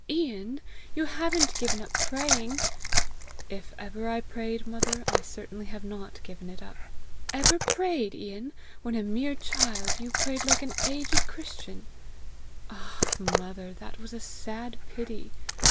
"Ian, you haven't given up praying?" "If ever I prayed, mother, I certainly have not given it up." "Ever prayed, Ian! When a mere child you prayed like an aged Christian!" "Ah, mother, that was a sad pity!